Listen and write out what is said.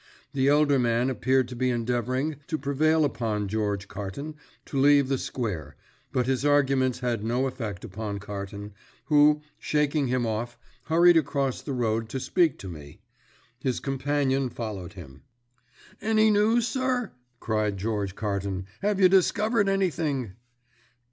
The elder man appeared to be endeavouring to prevail upon George Carton to leave the square, but his arguments had no effect upon Carton, who, shaking him off, hurried across the road to speak to me. His companion followed him. "Any news, sir?" cried George Carton. "Have you discovered anything?"